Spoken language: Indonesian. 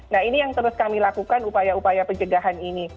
nah ini yang terus kami lakukan upaya upaya pencegahan ini